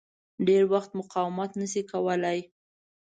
ډېر وخت مقاومت نه شي کولای.